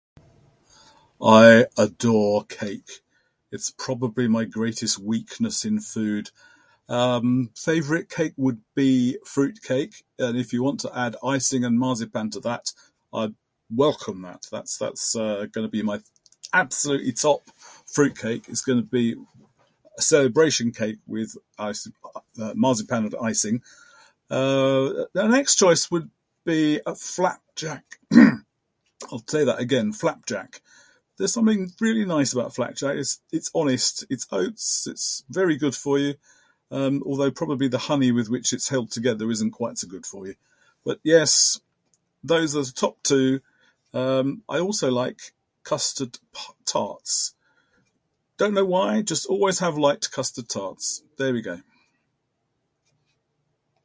I adore cake. It's probably my greatest weakness in food. umm favorite cake would be fruit cake and if you want to add icing and marzipan to that I'd welcome that. That thats going to be my absolutely top fruit cake is gonna be celebration cake with marzipan and icing. Uh the next choice would be flapjack. I'll tell you that again flapjack. There's something really nice about flapjack. its honest. It's oats, its very good for you, um although probably the honey with which its held together isn't quite so good for you. but yes those are the top two. Umm I also like custard tarts. Don't know why, just always have liked custard tarts. there we go.